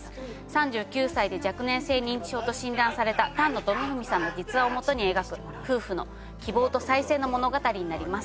３９歳で若年性認知症と診断された丹野智文さんの実話をもとに描く夫婦の希望と再生の物語になります。